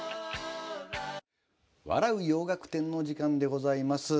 「笑う洋楽展」の時間でございます。